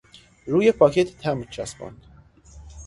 روی پاکت تمبر چسباندن